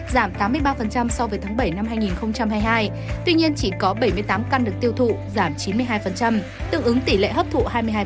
giảm tám mươi ba so với tháng bảy năm hai nghìn hai mươi hai tuy nhiên chỉ có bảy mươi tám căn được tiêu thụ giảm chín mươi hai tương ứng tỷ lệ hấp thụ hai mươi hai